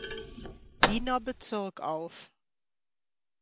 Wiener Bezirk auf.